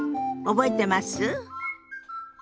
覚えてます？